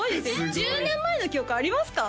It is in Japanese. １０年前の記憶ありますか？